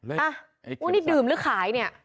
อ้าวนี่ดื่มหรือขายเนี่ย